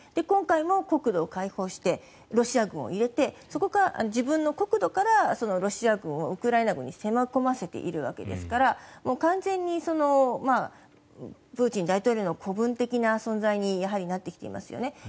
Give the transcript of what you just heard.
今回も国土を開放してロシア軍を入れてそこから自分の国土からロシア軍をウクライナ軍に攻め込ませているわけですから完全にプーチン大統領の子分的な存在にやはりなってきていますよね。